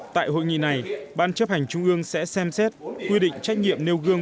tại hội nghị này ban chấp hành trung ương sẽ xem xét quy định trách nhiệm nêu gương